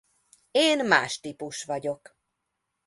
Én más típus vagyok.